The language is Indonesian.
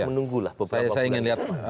menunggulah beberapa bulan saya ingin lihat